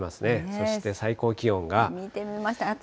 そして最高気温が。